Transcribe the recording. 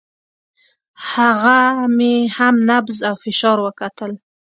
هغه مې هم نبض او فشار وکتل.